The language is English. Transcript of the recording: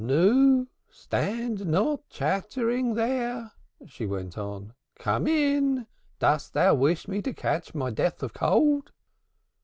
"Nu, stand not chattering there," she went on. "Come in. Dost thou wish me to catch my death of cold?"